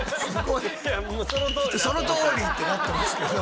「そのとおり！」ってなってますけど。